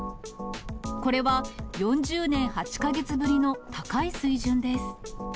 これは、４０年８か月ぶりの高い水準です。